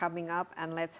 yang akan datang